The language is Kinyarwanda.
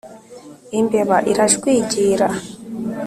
imbeba irajwigira